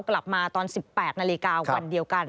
กลับมาตอน๑๘นาฬิกาวันเดียวกัน